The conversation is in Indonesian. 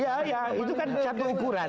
iya ya itu kan satu ukuran